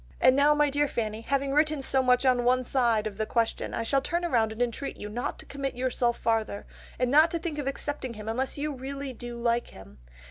And now my dear Fanny, having written so much on one side of the question I shall turn round and entreat you not to commit yourself farther, and not to think of accepting him unless you really do like him.